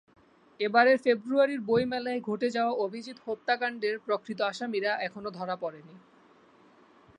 এবারের ফেব্রুয়ারির বইমেলায় ঘটে যাওয়া অভিজিৎ হত্যাকাণ্ডের প্রকৃত আসামিরা এখনো ধরা পড়েনি।